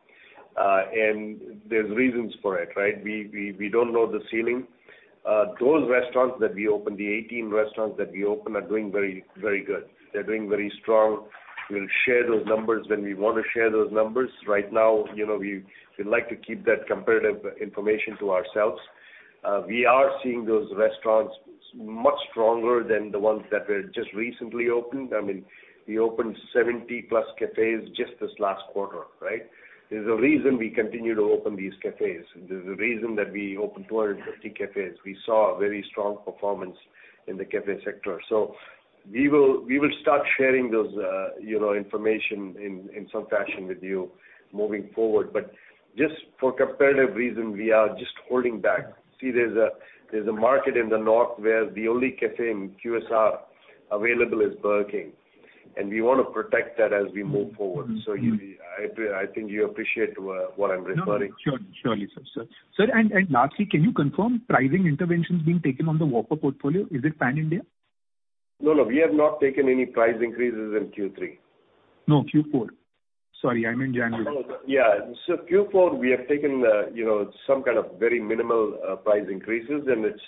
There's reasons for it, right? We don't know the ceiling. Those restaurants that we opened, the 18 restaurants that we opened are doing very good. They're doing very strong. We'll share those numbers when we wanna share those numbers. Right now, you know, we'd like to keep that comparative information to ourselves. We are seeing those restaurants much stronger than the ones that were just recently opened. I mean, we opened 70-plus cafes just this last quarter, right? There's a reason we continue to open these cafes. There's a reason that we opened 250 cafes. We saw a very strong performance in the cafe sector. We will start sharing those, you know, information in some fashion with you moving forward. Just for comparative reason, we are just holding back. There's a market in the north where the only cafe in QSR available is Burger King, and we wanna protect that as we move forward. Mm-hmm. I think you appreciate what I'm referring. No, no, sure. Surely, sir. Sir. Sir, lastly, can you confirm pricing interventions being taken on the Whopper portfolio? Is it pan-India? No, no, we have not taken any price increases in Q3. No, Q4. Sorry, I meant January. Q4 we have taken, you know, some kind of very minimal price increases. It's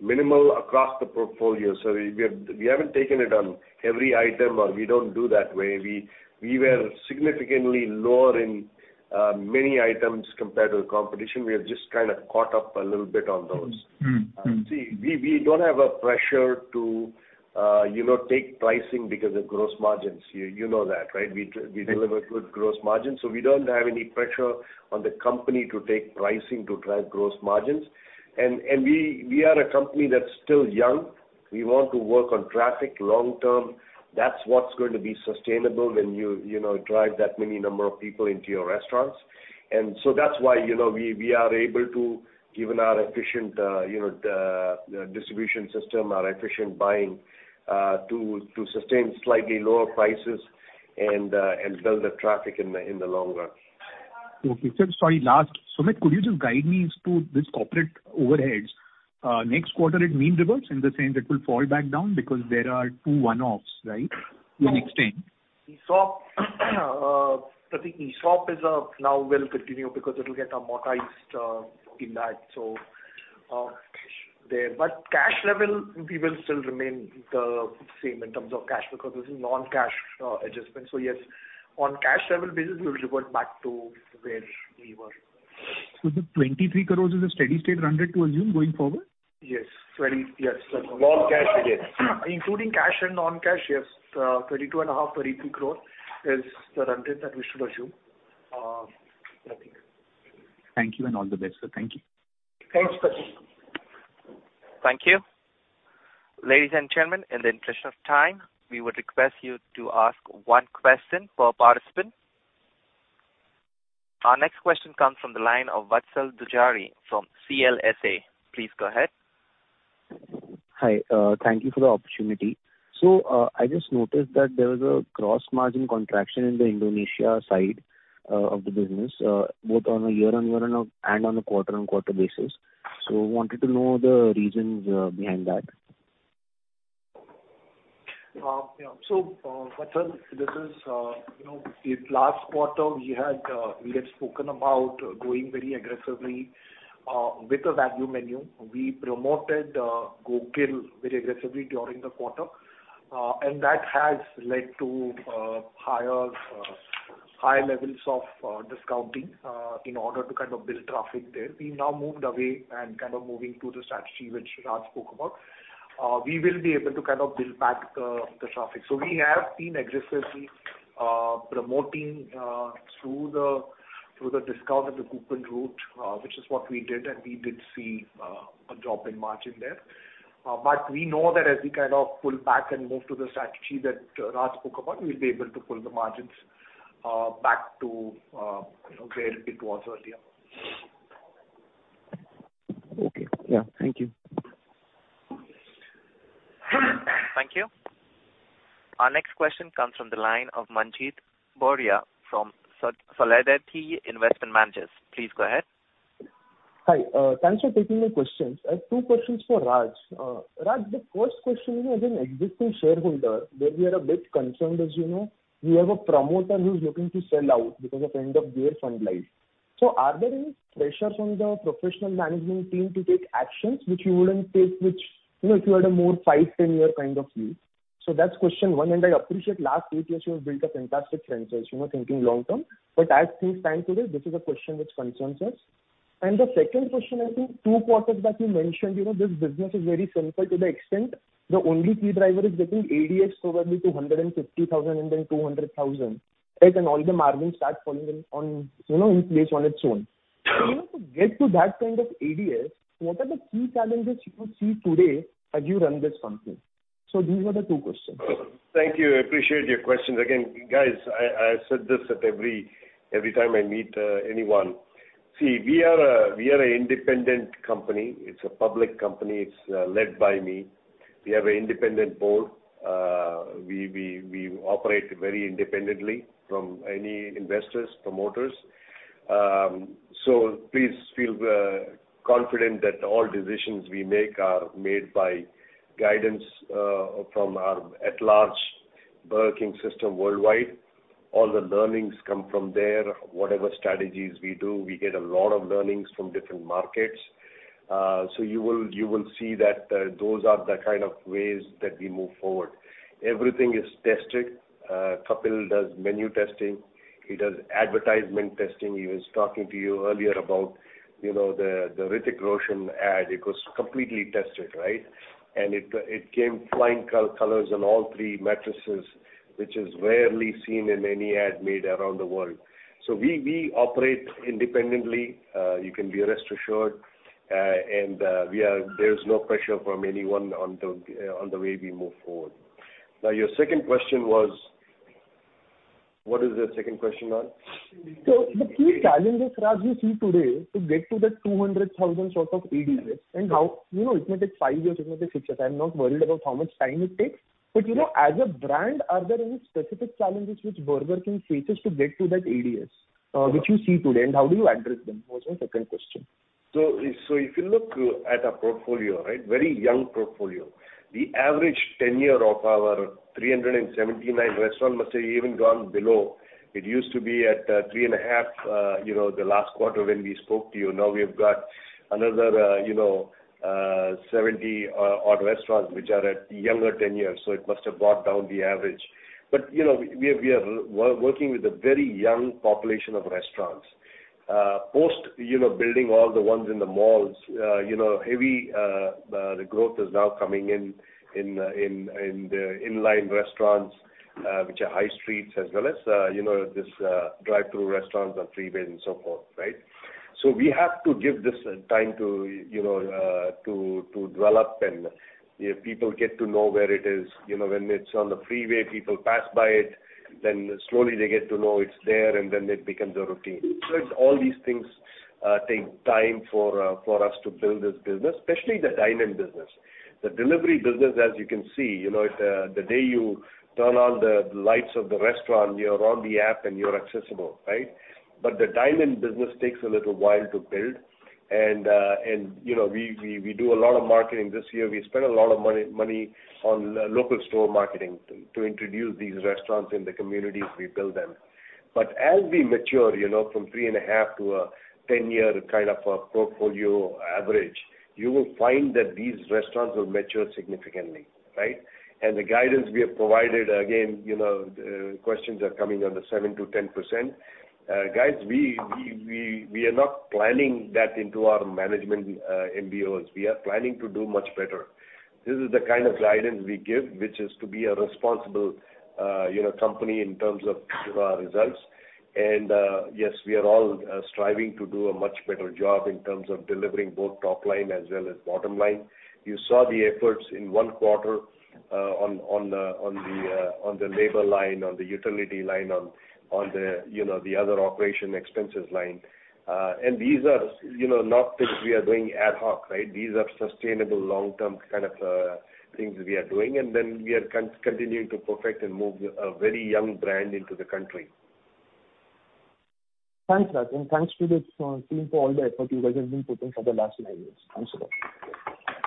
minimal across the portfolio. We haven't taken it on every item. We don't do that way. We were significantly lower in many items compared to the competition. We have just kind of caught up a little bit on those. Mm-hmm. Mm-hmm. We don't have a pressure to, you know, take pricing because of gross margins. You know that, right? Right. We deliver good gross margins. We don't have any pressure on the company to take pricing to drive gross margins. We are a company that's still young. We want to work on traffic long-term. That's what's going to be sustainable when you know, drive that many number of people into your restaurants. That's why, you know, we are able to, given our efficient, you know, distribution system, our efficient buying, to sustain slightly lower prices and build the traffic in the long run. Okay. Sir, sorry, last. Sumit, could you just guide me as to this corporate overheads? Next quarter it mean reverts in the sense it will fall back down because there are v one-offs, right? The next thing. ESOP. Prateek, ESOP is now will continue because it'll get amortized in that. There. Cash level, we will still remain the same in terms of cash because this is non-cash adjustment. Yes, on cash level basis, we'll revert back to where we were. The 23 crores is a steady-state run rate to assume going forward? Yes. Yes. Non-cash it is. Including cash and non-cash, yes, 22.5 crore, 23 crore is the run rate that we should assume. Prateek. Thank you and all the best, sir. Thank you. Thanks, Prateek. Thank you. Ladies and gentlemen, in the interest of time, we would request you to ask one question per participant. Our next question comes from the line of Vatsal Dujari from CLSA. Please go ahead. Hi, thank you for the opportunity. I just noticed that there was a gross margin contraction in the Indonesia side of the business, both on a year-on-year and on a quarter-on-quarter basis. Wanted to know the reasons behind that. Yeah. Vatsal, this is, you know, in last quarter we had spoken about going very aggressively with the value menu. We promoted GoGrill very aggressively during the quarter. That has led to higher high levels of discounting in order to kind of build traffic there. We've now moved away and kind of moving to the strategy which Raj spoke about. We will be able to kind of build back the traffic. We have been aggressively promoting through the discount and the coupon route, which is what we did, and we did see a drop in margin there. We know that as we kind of pull back and move to the strategy that Raj spoke about, we'll be able to pull the margins back to, you know, where it was earlier. Okay. Yeah. Thank you. Thank you. Our next question comes from the line of Manjeet Buaria from Solidarity Investment Managers. Please go ahead. Hi. Thanks for taking my questions. I have two questions for Raj. Raj, the first question, you know, as an existing shareholder, where we are a bit concerned is, you know, we have a promoter who's looking to sell out because of end of their fund life. Are there any pressures on the professional management team to take actions which you wouldn't take, which, you know, if you had a more five, 10 year kind of view? That's question one. I appreciate last eight years you have built a fantastic franchise, you know, thinking long term. At this time today, this is a question which concerns us. The second question, I think two quarters back, you mentioned, you know, this business is very simple to the extent the only key driver is getting ADS probably to 150,000 and then 200,000, right? All the margins start falling in, on, you know, in place on its own. You know, to get to that kind of ADS, what are the key challenges you see today as you run this company? These are the two questions. Thank you. I appreciate your questions. Again, guys, I said this at every time I meet anyone. See, we are an independent company. It's a public company. It's led by me. We have an independent board. We operate very independently from any investors, promoters. Please feel confident that all decisions we make are made by guidance from our at large Burger King system worldwide. All the learnings come from there. Whatever strategies we do, we get a lot of learnings from different markets. You will see that those are the kind of ways that we move forward. Everything is tested. Kapil does menu testing, he does advertisement testing. He was talking to you earlier about, you know, the Hrithik Roshan ad. It was completely tested, right? It came flying colors on all three matrices, which is rarely seen in any ad made around the world. We operate independently. You can be rest assured, and there's no pressure from anyone on the way we move forward. Your second question was. What is the second question, Raj? The key challenges, Raj, you see today to get to the 200,000 sort of ADS and how, you know, it may take five years, it may take six years. I'm not worried about how much time it takes, but, you know, as a brand, are there any specific challenges which Burger King faces to get to that ADS which you see today, and how do you address them, was my second question? If you look at our portfolio, right? Very young portfolio. The average tenure of our 379 restaurants must have even gone below. It used to be at 3.5, you know, the last quarter when we spoke to you. Now we've got another, you know, 70 odd restaurants which are at younger tenures, it must have brought down the average. You know, we are working with a very young population of restaurants. Post, you know, building all the ones in the malls, you know, heavy, the growth is now coming in the in-line restaurants, which are high streets as well as, you know, this drive-through restaurants on freeways and so forth, right? We have to give this time to, you know, to develop and people get to know where it is. You know, when it's on the freeway, people pass by it, then slowly they get to know it's there, and then it becomes a routine. It's all these things take time for us to build this business, especially the dine-in business. The delivery business, as you can see, you know, it's the day you turn on the lights of the restaurant, you're on the app and you're accessible, right? The dine-in business takes a little while to build. You know, we do a lot of marketing this year. We spent a lot of money on local store marketing to introduce these restaurants in the communities we build them. As we mature, you know, from three and a half to a 10-year kind of a portfolio average, you will find that these restaurants will mature significantly, right? The guidance we have provided, again, you know, questions are coming on the 7%-10%. Guys, we are not planning that into our management MBOs. We are planning to do much better. This is the kind of guidance we give, which is to be a responsible, you know, company in terms of results. Yes, we are all striving to do a much better job in terms of delivering both top line as well as bottom line. You saw the efforts in one quarter, on the labor line, on the utility line, on the, you know, the other operation expenses line. These are, you know, not things we are doing ad hoc, right? These are sustainable long-term kind of things we are doing. Then we are continuing to perfect and move a very young brand into the country. Thanks, Raj, thanks to this team for all the effort you guys have been putting for the last nine years. Thanks a lot.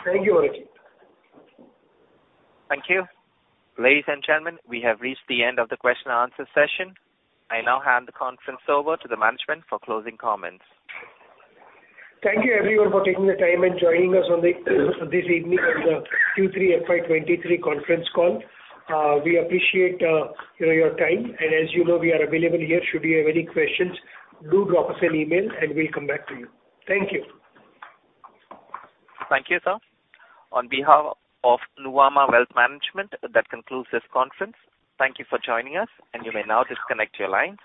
Thank you, Manjeet. Thank you. Ladies and gentlemen, we have reached the end of the question and answer session. I now hand the conference over to the management for closing comments. Thank you everyone for taking the time and joining us on the this evening on the Q3 FY 2023 conference call. We appreciate, you know, your time and as you know, we are available here should you have any questions. Do drop us an email and we'll come back to you. Thank you. Thank you, sir. On behalf of Nuvama Wealth Management, that concludes this conference. Thank you for joining us. You may now disconnect your lines.